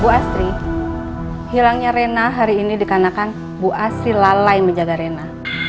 bu astri hilangnya rena hari ini dikarenakan bu asri lalai menjaga rena